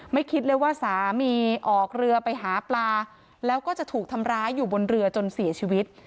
คิดเลยว่าสามีออกเรือไปหาปลาแล้วก็จะถูกทำร้ายอยู่บนเรือจนเสียชีวิต